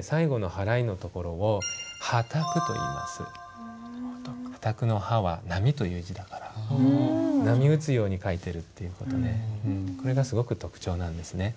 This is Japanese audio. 最後の払いのところを波磔の「波」は「波」という字だから波打つように書いてるっていう事でこれがすごく特徴なんですね。